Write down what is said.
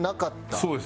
そうです。